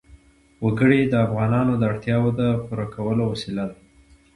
وګړي د افغانانو د اړتیاوو د پوره کولو وسیله ده.